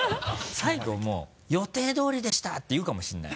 最後もう「予定通りでした！」って言うかもしれない。